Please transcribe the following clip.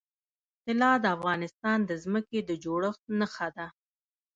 طلا د افغانستان د ځمکې د جوړښت نښه ده.